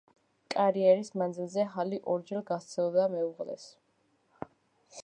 კარიერის მანძილზე ჰალი ორჯერ გასცილდა მეუღლეს.